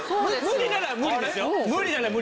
無理なら無理で。